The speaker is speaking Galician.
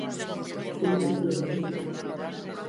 Sen presións